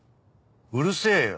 うるせえよ！